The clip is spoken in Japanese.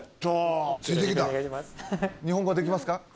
日本語はできますか？